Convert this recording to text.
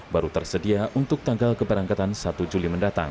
baru tersedia untuk tanggal keberangkatan satu juli mendatang